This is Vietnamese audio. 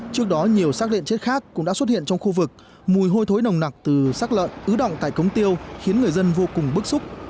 trước đó nhiều sắc lợn chết khác cũng đã xuất hiện trong khu vực mùi hôi thối nồng nặc từ sắc lợn ứ động tại cống tiêu khiến người dân vô cùng bức xúc